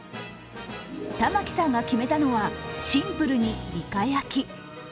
玉木さんが決めたのは、シンプルにイカ焼き。